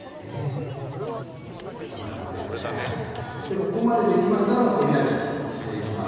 ここまでできましたらもう手開きしていきます。